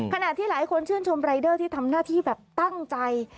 ขณะที่หลายคนชื่นชมรายเดอร์ที่ทำหน้าที่แบบตั้งใจ